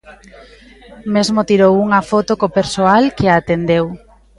Mesmo tirou unha foto co persoal que a atendeu.